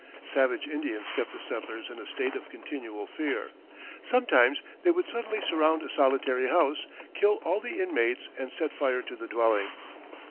Savage Indians kept the settlers in a state of continual fear. Sometimes they would suddenly surround a solitary house, kill all the inmates, and set fire to the dwelling.